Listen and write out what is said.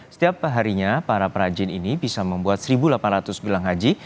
setiap harinya para perajin ini bisa membuat satu delapan ratus bilang haji